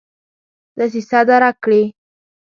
دسیسه درک کړي.